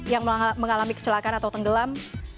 yang mengalami kecelakaan atau tenggelam